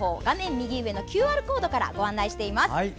右上のＱＲコードからご案内しています。